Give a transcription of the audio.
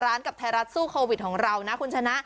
กับไทยรัฐสู้โควิดของเรานะคุณชนะ